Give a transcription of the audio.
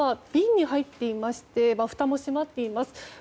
瓶に入っていましてふたもしまっています。